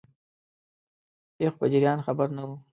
پیښو په جریان خبر نه وو.